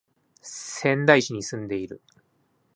仙台市に住んでいる